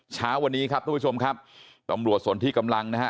เช้าวันนี้ครับทุกผู้ชมครับตำรวจส่วนที่กำลังนะฮะ